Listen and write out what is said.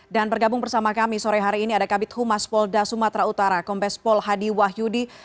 dan bergabung bersama kami sore hari ini ada kabit humas polda sumatra utara kompes pol hadi wahyudi